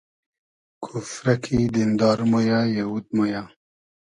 کوفرۂ کی دیندار مۉ یۂ , یئوود مۉ یۂ